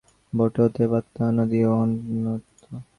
সেই একই কারণে ইহা অনাদিও বটে, অতএব আত্মা অনাদি ও অনন্ত।